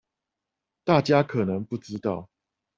大家可能不知道